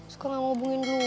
suka gak ngubungin duluan sebel